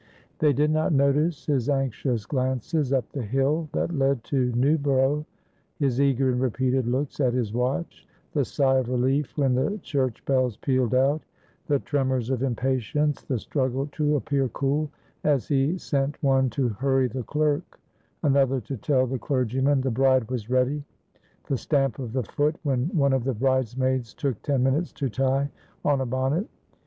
They did not notice his anxious glances up the hill that led to Newborough; his eager and repeated looks at his watch, the sigh of relief when the church bells pealed out, the tremors of impatience, the struggle to appear cool as he sent one to hurry the clerk, another to tell the clergyman the bride was ready; the stamp of the foot when one of the bridesmaids took ten minutes to tie on a bonnet.